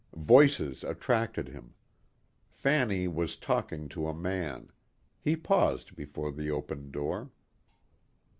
Voices attracted him. Fanny was talking to a man. He paused before the opened door.